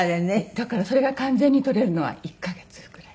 だからそれが完全に取れるのは１カ月ぐらい。